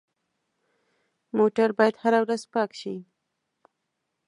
موټر باید هره ورځ پاک شي.